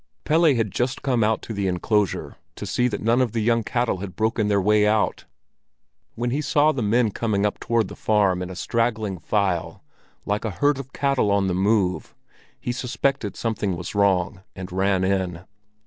Pelle had just come out to the enclosure to see that none of the young cattle had broken their way out. When he saw the men coming up toward the farm in a straggling file like a herd of cattle on the move, he suspected something was wrong and ran in.